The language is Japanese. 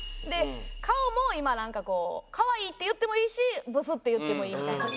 顔も今なんかかわいいって言ってもいいしブスって言ってもいいみたいな。